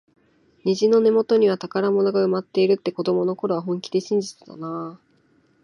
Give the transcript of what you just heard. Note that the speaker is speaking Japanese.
虹の根元には宝物が埋まっているって、子どもの頃は本気で信じてたなあ。